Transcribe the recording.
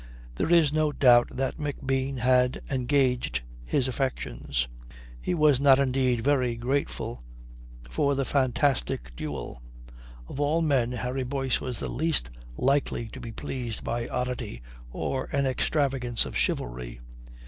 There is no doubt that McBean had engaged his affections. He was not, indeed, very grateful for the fantastic duel. Of all men, Harry Boyce was the least likely to be pleased by oddity or an extravagance of chivalry.